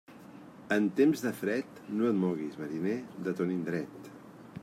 En temps de fred, no et moguis, mariner, de ton indret.